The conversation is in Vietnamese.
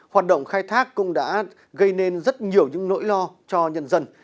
hoạt động khai thác cũng đã gây nên rất nhiều những nỗi lo cho nhân dân